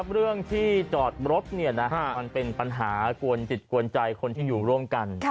เรื่องที่จอดรถมันเป็นปัญหากวนจิตกวนใจคนที่อยู่ร่วมกัน